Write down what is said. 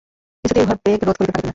কিছুতেই উহার বেগ রোধ করিতে পারিবে না।